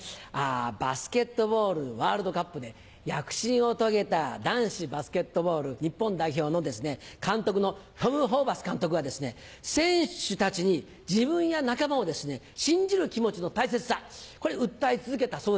バスケットボールワールドカップで躍進を遂げた男子バスケットボール日本代表の監督のトム・ホーバス監督が選手たちに自分や仲間を信じる気持ちの大切さこれ訴え続けたそうです。